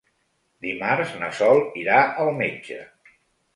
Dimarts na Sol irà al metge.